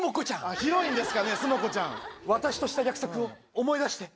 ヒロインですかね、すも子ち私とした約束を思い出して。